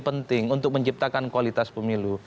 penting untuk menciptakan kualitas pemilu